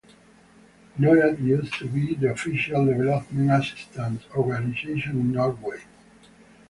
Norad used to be the official development assistance organization in Norway.